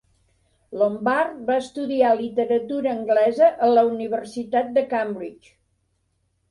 Lombard va estudiar literatura anglesa a la Universitat de Cambridge.